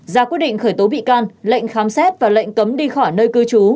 ra quyết định khởi tố bị can lệnh khám xét và lệnh cấm đi khỏi nơi cư trú